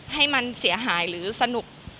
ให้มันเสียหายหรือสนุก